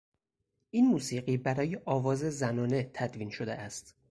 این موسیقی برای آواز زنانه تدوین شده است.